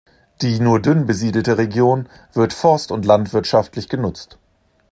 Die nur dünn besiedelte Region wird forst- und landwirtschaftlich genutzt.